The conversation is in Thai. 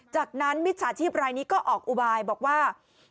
จากนั้นมิจฉาชีพรายนี้ก็ออกอุบายบอกว่า